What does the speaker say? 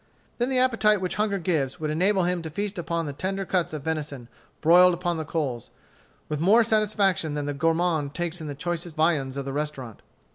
Then the appetite which hunger gives would enable him to feast upon the tender cuts of venison broiled upon the coals, with more satisfaction than the gourmand takes in the choicest viands of the restaurant.